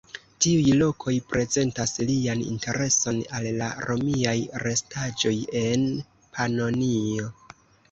Tiuj lokoj prezentas lian intereson al la romiaj restaĵoj en Panonio.